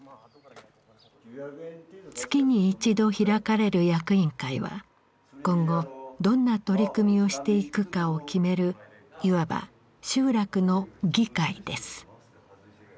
月に一度開かれる役員会は今後どんな取り組みをしていくかを決めるいわば集落の議会です。